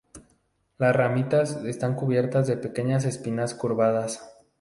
Las ramitas están cubiertas de pequeñas espinas curvadas.